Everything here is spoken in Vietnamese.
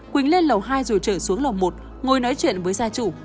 quỳnh lên lầu hai rồi trở xuống lầu một ngồi nói chuyện với gia chủ